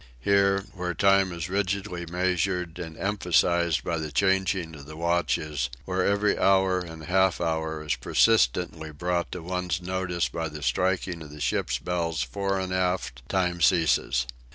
Here, where time is rigidly measured and emphasized by the changing of the watches, where every hour and half hour is persistently brought to one's notice by the striking of the ship's bells fore and aft, time ceases.